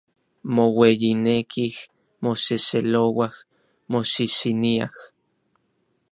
Moueyinekij, moxexelouaj, moxixiniaj.